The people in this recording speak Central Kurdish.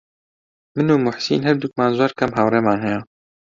من و موحسین هەردووکمان زۆر کەم هاوڕێمان هەیە.